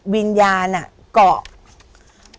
วิญญาณเลือด